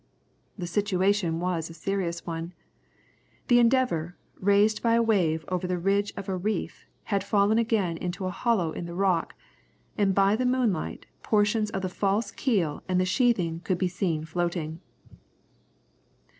The situation was a serious one. The Endeavour, raised by a wave over the ridge of a reef, had fallen again into a hollow in the rock, and by the moonlight, portions of the false keel and the sheathing could be seen floating.